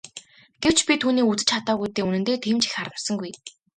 Гэвч би түүнийг үзэж чадаагүй дээ үнэндээ тийм ч их харамссангүй.